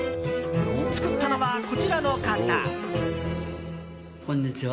作ったのはこちらの方。